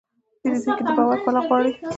پیرودونکی د باور پله غواړي.